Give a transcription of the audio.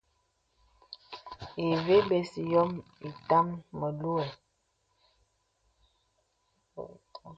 Ìvə bə̀s yɔ̄ɔ̄ ìtàm məluə̀.